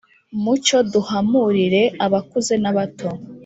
mucyo duhamurire abakuze n’abato